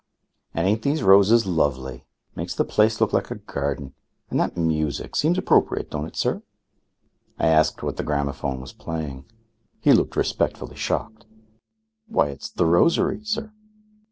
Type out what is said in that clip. "And ain't these roses lovely? Makes the place look like a garden. And that music seems appropriate, don't it, sir?" I asked what the gramophone was playing. He looked respectfully shocked. "Why, it's 'The Rosary,' sir."